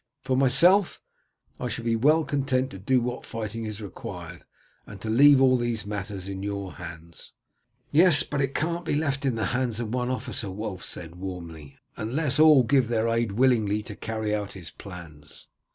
For myself, I shall be well content to do what fighting is required, and to leave all these matters in your hands." "Yes; but it can't be left in the hands of one officer," Wulf said warmly, "unless all give their aid willingly to carry out his plans."